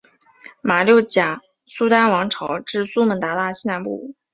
马六甲苏丹王朝至苏门答腊西南部。